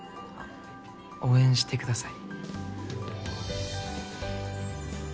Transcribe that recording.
応援してください。